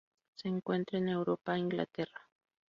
Se encuentra en Europa: Inglaterra.